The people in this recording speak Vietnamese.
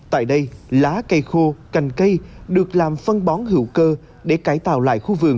tại đây lá cây khô cành cây được làm phân bón hữu cơ để cải tạo lại khu vườn